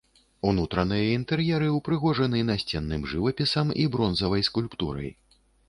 Унутраныя інтэр'еры ўпрыгожаны насценным жывапісам і бронзавай скульптурай.